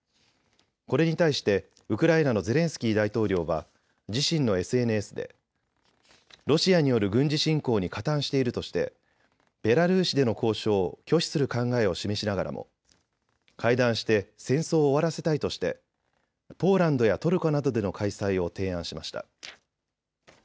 これに対してウクライナのゼレンスキー大統領は自身のＳＮＳでロシアによる軍事侵攻に加担しているとしてベラルーシでの交渉を拒否する考えを示しながらも会談して戦争を終わらせたいとしてポーランドやトルコなどでの開催を提案しました。